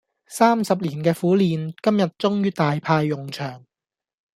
三十年嘅苦練，今日終於大派用場